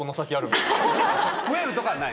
増えるとかはない？